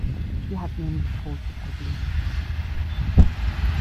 Sie hat nämlich große Probleme.